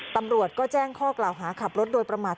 ตำรวจก็แจ้งข้อกล่าวหาขับรถโดยประมาท